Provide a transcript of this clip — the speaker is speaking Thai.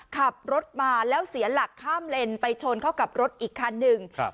ขับรถมาแล้วเสียหลักข้ามเลนไปชนเข้ากับรถอีกคันหนึ่งครับ